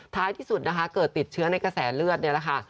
ท้ายที่สุดนะคะเกิดติดเชื้อในกระแสเลือดนี่แหละค่ะ